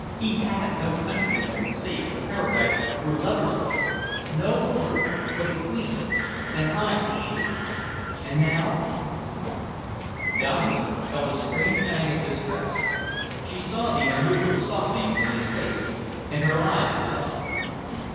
He had no country then save the paradise where lovers walk, no ruler but a queen, and I was she. And now " Dominey felt a strange pang of distress. She saw the unusual softening in his face, and her eyes lit up.